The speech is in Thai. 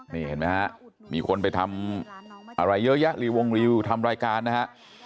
นี่เห็นมั้ยครับมีคนไปทำอะไรเยอะแยะรีวงรีวิวทำรายการนะครับ